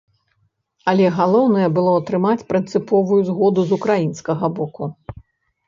Але галоўнае было атрымаць прынцыповую згоду з украінскага боку.